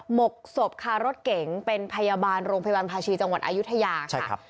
หกศพคารถเก๋งเป็นพยาบาลโรงพยาบาลภาชีจังหวัดอายุทยาค่ะ